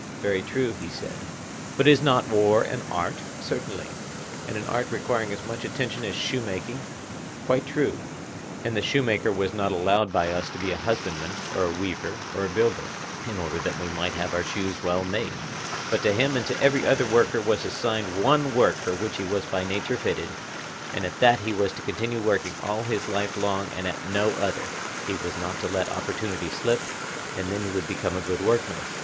Very true, he said. But is not war an art? Certainly. And an art requiring as much attention as shoemaking? Quite true. And the shoemaker was not allowed by us to be a husbandman, or a weaver, or a builder—in order that we might have our shoes well made; but to him and to every other worker was assigned one work for which he was by nature fitted, and at that he was to continue working all his life long and at no other; he was not to let opportunities slip, and then he would become a good workman.